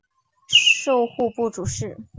授户部主事。